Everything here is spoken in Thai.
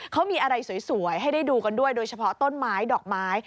เขามีอะไรสวยให้ได้ดูกันด้วยโดยเฉพาะต้นไม้ดอกไม้